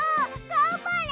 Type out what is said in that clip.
がんばれ！